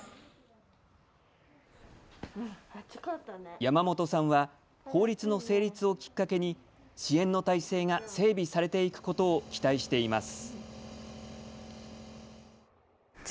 山本さんは法律の成立をきっかけに支援の体制が整備されていくことを期待しています。